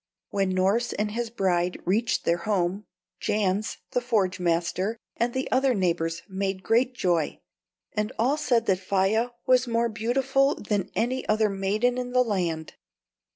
When Norss and his bride reached their home, Jans, the forge master, and the other neighbors made great joy, and all said that Faia was more beautiful than any other maiden in the land.